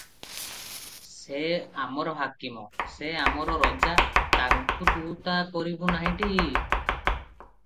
ସେ ଆମର ହାକିମ, ସେ ଆମର ରଜା ତାଙ୍କୁ ତୁ' ତା' କରିବୁ ନାହିଁଟି?